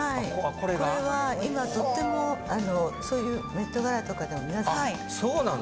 これは今とってもそういうメットガラとかでも皆さん。